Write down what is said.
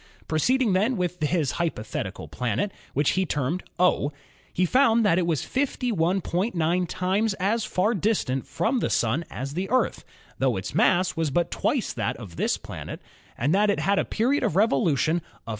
Proceeding then with his hypothetical planet, which he termed "O," he found that it was 51.9 times as far distant from the Sun as the Earth, tho its mass was but twice that of this planet, and that it had a period of revolution of 373.